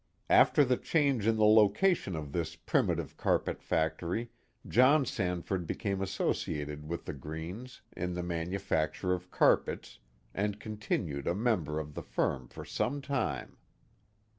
After the change in the location of this primitive carpet factory, John Sanford became associated with the Greenes in the manufacture of carpets, and continued a member of the firm for some time.